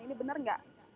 ini benar nggak